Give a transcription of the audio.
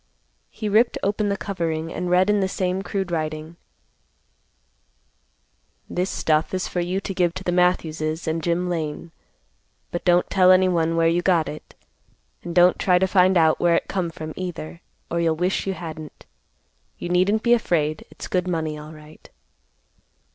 He ripped open the covering and read in the same crude writing: "This stuff is for you to give to the Matthews's and Jim Lane, but don't tell anyone where you got it. And don't try to find out where it come from either, or you'll wish you hadn't. You needn't be afraid. It's good money alright."